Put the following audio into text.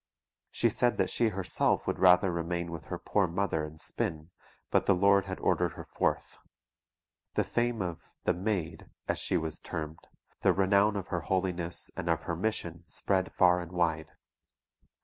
She said that she herself would rather remain with her poor mother and spin; but the Lord had ordered her forth. The fame of "The Maid," as she was termed, the renown of her holiness, and of her mission, spread far and wide.